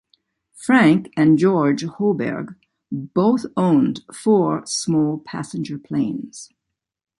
Frank and George Hoberg both owned four small passenger planes.